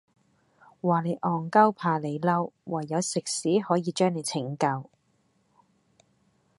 話你戇鳩怕你嬲，唯有食屎可以將你拯救